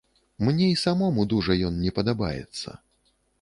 Мне і самому дужа ён не падабаецца.